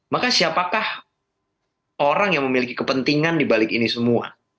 maka siapakah orang yang memiliki kepentingan dibalik ini semua